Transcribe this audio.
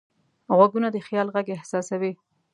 غوږونه د خیال غږ احساسوي